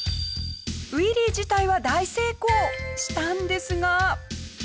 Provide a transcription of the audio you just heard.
ウイリー自体は大成功したんですが。